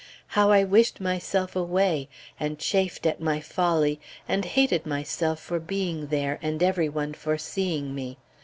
How I wished myself away, and chafed at my folly, and hated myself for being there, and every one for seeing me.